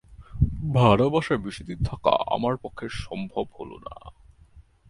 ভাড়াবাসায় বেশিদিন থাকা আমার পক্ষে সম্ভব হল না।